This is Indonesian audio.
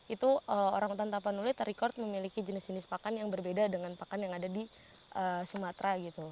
itu orangutan tapanuli terrecord memiliki jenis jenis pakan yang berbeda dengan pakan yang ada di sumatera gitu